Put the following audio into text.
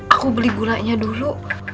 aku beli gulanya dulu